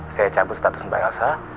saya cabut status mbak elsa